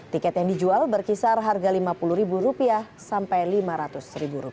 tiket yang dijual berkisar harga rp lima puluh sampai rp lima ratus